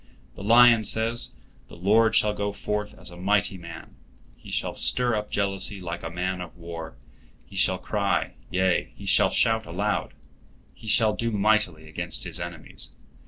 The lion says: "The Lord shall go forth as a mighty man; He shall stir up jealousy like a man of war; He shall cry, yea, He shall shout aloud; He shall do mightily against his enemies."